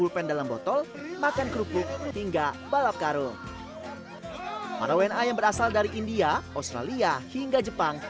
pen dalam botol makan kerupuk hingga balap karung para wna yang berasal dari india australia hingga jepang